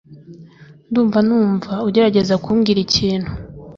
ndumva numva ugerageza kumbwira ikintu